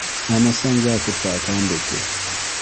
Namusanze akutte akambe ke.